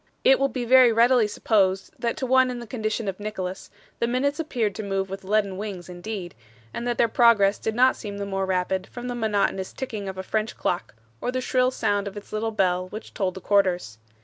It will be very readily supposed that to one in the condition of Nicholas, the minutes appeared to move with leaden wings indeed, and that their progress did not seem the more rapid from the monotonous ticking of a French clock, or the shrill sound of its little bell which told the quarters.